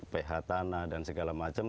ph tanah dan segala macam